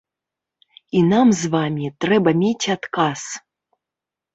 І нам з вамі трэба мець адказ.